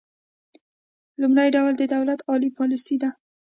لومړی ډول د دولت عالي پالیسي ده